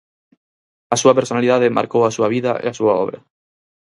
A súa personalidade marcou a súa vida e a súa obra.